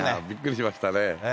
びっくりしましたね。